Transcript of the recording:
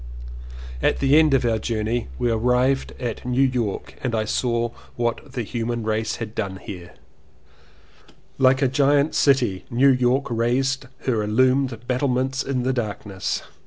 At the end of our journey we arrived at New York and I saw what the human race 221 CONFESSIONS OF TWO BROTHERS had done here. Like a giant city New York raised her illumined battlements in the darkness.